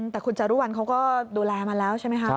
แต่คุณจารุวัลเขาก็ดูแลมาแล้วใช่ไหมคะ